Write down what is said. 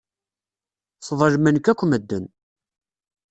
Sḍelmen-k akk medden.